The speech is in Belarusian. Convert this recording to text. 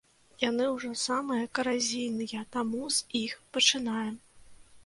Яны ўжо самыя каразійныя, таму з іх пачынаем.